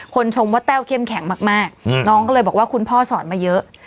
ชมว่าแต้วเข้มแข็งมากน้องก็เลยบอกว่าคุณพ่อสอนมาเยอะ